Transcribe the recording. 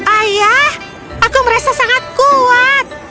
ayah aku merasa sangat kuat